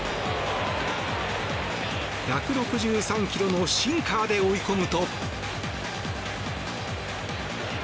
１６３ｋｍのシンカーで追い込むと。